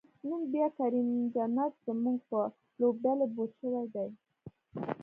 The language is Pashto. نن بیا کریم جنت زمونږ په لوبډلی بوج شوی دی